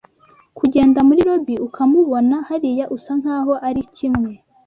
kugenda muri lobby ukamubona hariya, usa nkaho ari kimwe